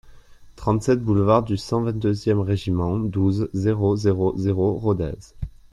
trente-sept boulevard du cent vingt-deux Eme Ri, douze, zéro zéro zéro, Rodez